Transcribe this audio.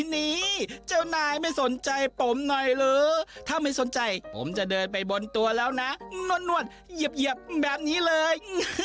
นี่เจ้านายไม่สนใจผมหน่อยหรือถ้าไม่สนใจผมจะเดินไปบนตัวแล้วนะนวลเหยียบแบบนี้เลย